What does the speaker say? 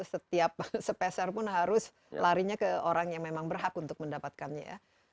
dan setiap sepesen pun harus larinya ke orang yang memang berhak untuk mendapatkannya ya